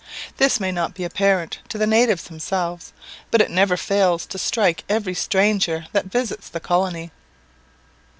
This may not be apparent to the natives themselves, but it never fails to strike every stranger that visits the colony.